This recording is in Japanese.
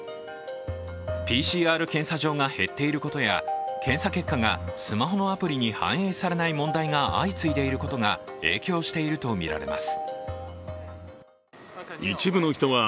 ＰＣＲ検査場が減っていることや検査結果がスマホのアプリに反映されない問題が相次いでいることが影響しているとみられます。